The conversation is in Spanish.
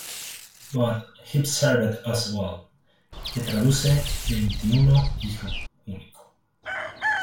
But he served us well" que traduce "veinti-uno, hijo único.